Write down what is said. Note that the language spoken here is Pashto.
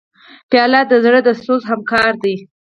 پیاله د زړه د سوز همکار ده.